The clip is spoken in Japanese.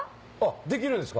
できるんですか？